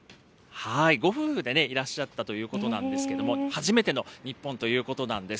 ご夫婦でいらっしゃったということなんですけども、初めての日本ということなんです。